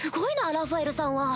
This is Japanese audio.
ラファエルさんは。